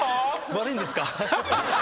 悪いんですか？